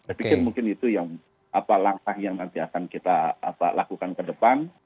saya pikir mungkin itu yang langkah yang nanti akan kita lakukan ke depan